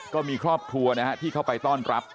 ก็มีครอบครัวนะฮะที่เข้าไปต้อนรับ